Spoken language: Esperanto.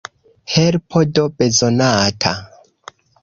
Helpo do bezonata!